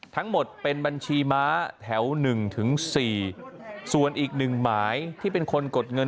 ทั้งหมดเป็นบัญชีม้าแถว๑๔ส่วนอีกหนึ่งหมายที่เป็นคนกดเงิน